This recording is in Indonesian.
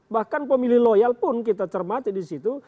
bahkan pemilih loyal pun kita cermati disitu